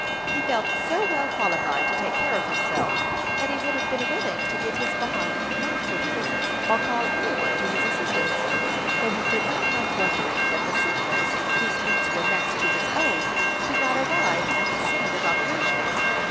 He felt so well qualified to take care of himself that he would have been willing to give his bond not to halloo, or call any one to his assistance, though he could not help wondering that the sentinels whose beats were next to his own, did not arrive at the scene of operations.